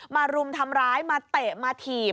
มารุมธรรมร้ายมาเตะมาถีบ